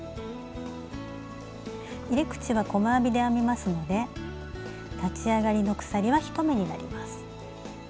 入れ口は細編みで編みますので立ち上がりの鎖は１目になります。